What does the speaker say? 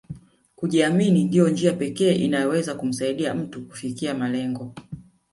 Kujiamini ndio njia pekee inayoweza kumsaidia mtu kufikia malengo